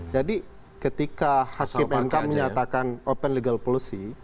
jadi ketika hakim mk menyatakan open legal policy